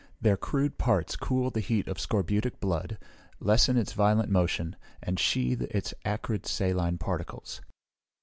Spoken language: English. Their crude parts cool the heat of scorbutic blood, lessen its violent motion, and sheathe its acrid saline particles.